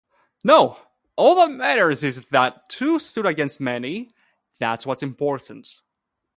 No, all that matters is that two stood against many, that's what's important.